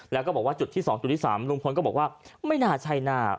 แล้วก็บอกว่าจุดที่๒จุดที่๓ลุงพลก็บอกว่าไม่น่าใช่หน้า